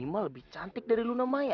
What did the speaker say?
tidak prent lebih cantik dari luna maya